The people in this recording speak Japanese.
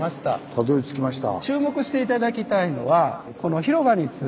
たどりつきました。